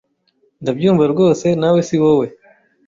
Ndabyumva rwose nawe siwowe.